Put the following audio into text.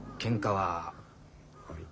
はい。